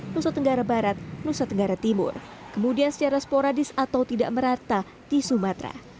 nusa tenggara barat nusa tenggara timur kemudian secara sporadis atau tidak merata di sumatera